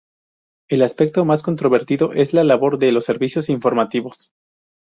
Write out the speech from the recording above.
El aspecto más controvertido es la labor de los servicios informativos.